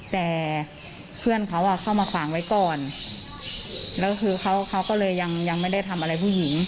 แต่เพื่อนเขาอ่ะเข้ามาขวางไว้ก่อนแล้วคือเขาเขาก็เลยยังไม่ได้ทำอะไรผู้หญิง